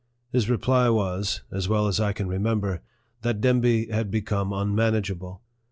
His reply was, (as well as I can remem ber,) that Demby had become unmanageable.